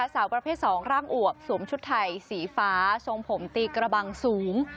สาวประเภท๒ร่างอวบสวมชุดไทยสีฟ้าทรงผมตีกระบังสูง